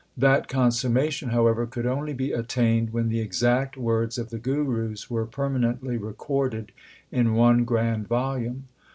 That consummation, however, could only be attained when the exact words of the Gurus were permanently recorded in one grand volume.